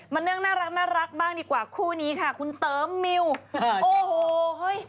เรื่องน่ารักบ้างดีกว่าคู่นี้ค่ะคุณเติมมิวโอ้โหเฮ้ย